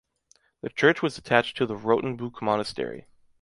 The church was attached to the Rottenbuch monastery.